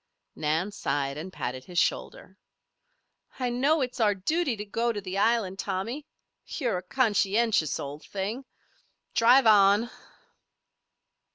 Nan sighed and patted his shoulder. "I know it's our duty to go to the island, Tommy. You're a conscientious old thing. Drive on."